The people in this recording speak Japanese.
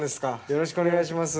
よろしくお願いします。